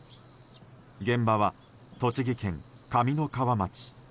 現場は栃木県上三川町。